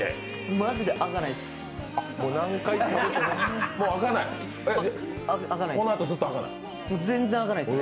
マジで開かないです。